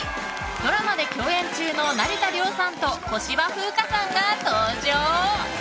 ドラマで共演中の成田凌さんと小芝風花さんが登場！